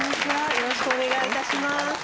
よろしくお願いします。